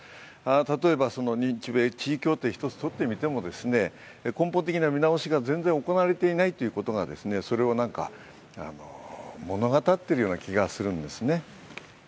例えば、日米地位協定一つ取ってみても、根本的な見直しが全然行われていないということが、それを物語っているような気がするんですね。